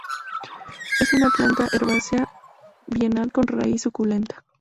Es una planta herbácea bienal con raíz suculenta.